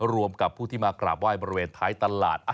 รวมกับผู้ที่มากราบไหว้บริเวณท้ายตลาด